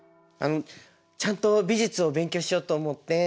ちゃんと美術を勉強しようと思って。